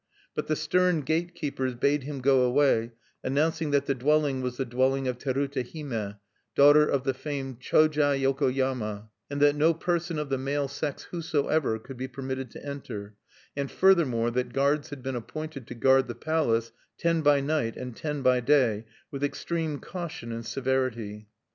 But the stern gate keepers bade him go away, announcing that the dwelling was the dwelling of Terute Hime, daughter of the famed Choja Yokoyama, and that no person of the male sex whosoever could be permitted to enter; and furthermore, that guards had been appointed to guard the palace ten by night and ten by day with extreme caution and severity.